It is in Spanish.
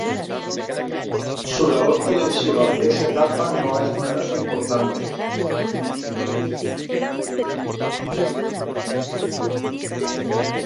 Su labor televisiva de esa etapa no es menos importante.